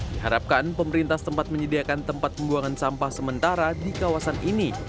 diharapkan pemerintah setempat menyediakan tempat pembuangan sampah sementara di kawasan ini